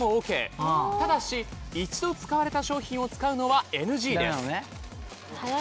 ただし一度使われた商品を使うのはＮＧです。